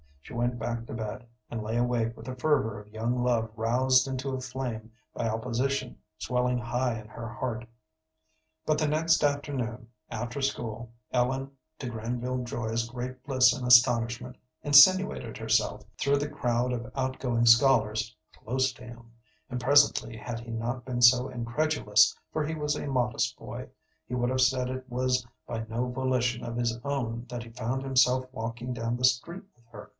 She went back to bed, and lay awake with a fervor of young love roused into a flame by opposition swelling high in her heart. But the next afternoon, after school, Ellen, to Granville Joy's great bliss and astonishment, insinuated herself, through the crowd of out going scholars, close to him, and presently, had he not been so incredulous, for he was a modest boy, he would have said it was by no volition of his own that he found himself walking down the street with her.